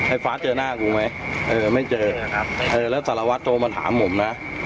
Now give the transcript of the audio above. ฟ้าเจอหน้ากูไหมเออไม่เจอครับเออแล้วสารวัตรโทรมาถามผมนะ